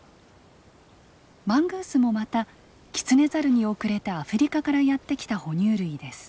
マングースもまたキツネザルに後れてアフリカからやって来た哺乳類です。